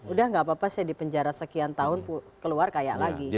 udah gak apa apa saya di penjara sekian tahun keluar kayak lagi